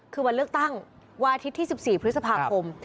คือวันเลือกตั้งวันอาทิตย์ที่๑๔พฤษภาคม